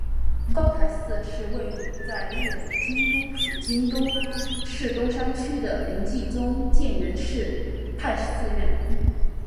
高台寺是位在日本京都府京都市东山区的临济宗建仁寺派寺院。